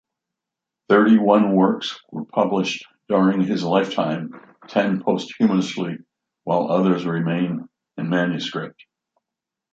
Thirty-one works were published during his lifetime, ten posthumously while others remain in manuscript.